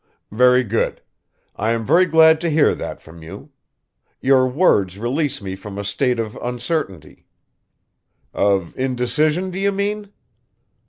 "Very good. I am very glad to hear that from you. Your words release me from a state of uncertainty .." "Of indecision, do you mean?"